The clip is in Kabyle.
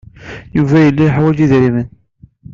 Yuba yella yeḥwaj idrimen.